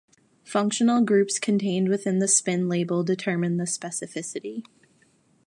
Functional groups contained within the spin label determine their specificity.